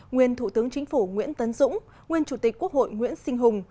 nguyên thủ tướng chính phủ nguyễn tấn dũng nguyên chủ tịch quốc hội nguyễn sinh hùng